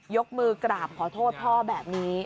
ยกมือกราบขอโทษพ่อแบบนี้